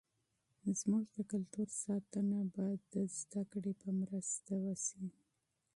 زموږ د کلتور ساتنه به د علم په مرسته وسي.